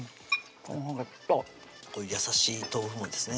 このほうが優しい豆腐もですね